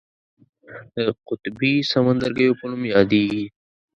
د قطبي سمندرګیو په نوم یادیږي.